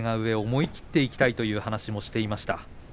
思い切っていきたいと話していました。